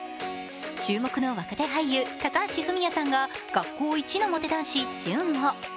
注目の若手俳優・高橋文哉さんが学校いちのモテ男子、潤を。